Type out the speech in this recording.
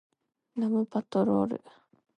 Rum Patrol